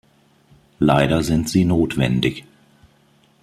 Leider sind sie notwendig.